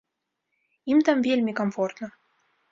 Ім там вельмі камфортна.